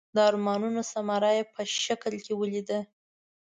د ارمانونو ثمره یې په شکل کې ولیده.